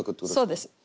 そうです。